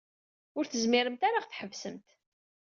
Ur tezmiremt ara ad ɣ-tḥebsemt.